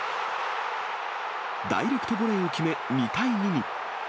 ダイレクトボレーを決め、２対２に。